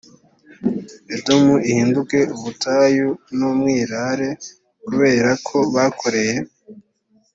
edomu ihinduke ubutayu n umwirare kubera ko bakoreye